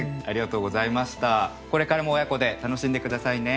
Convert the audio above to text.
これからも親子で楽しんで下さいね。